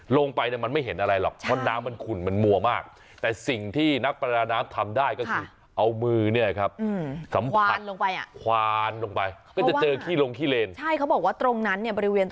ลงไปเนี่ยมันไม่เห็นอะไรหรอกเพราะน้ำมันขุ่นมันมัวมากแต่สิ่งที่นักประดาน้ำทำได้ก็คือเอามือเนี่ยครับ